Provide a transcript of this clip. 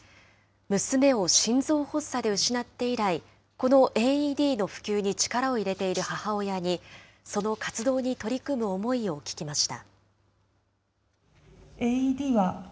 娘を心臓発作で失って以来、このＡＥＤの普及に力を入れている母親に、その活動に取り組む思いを聞きました。